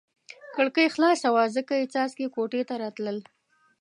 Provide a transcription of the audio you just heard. کړکۍ خلاصه وه ځکه یې څاڅکي کوټې ته راتلل.